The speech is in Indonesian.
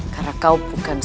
karena kau bukan